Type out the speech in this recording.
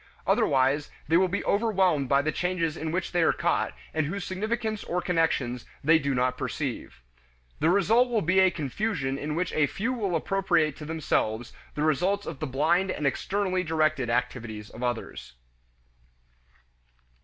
Otherwise, they will be overwhelmed by the changes in which they are caught and whose significance or connections they do not perceive. The result will be a confusion in which a few will appropriate to themselves the results of the blind and externally directed activities of others.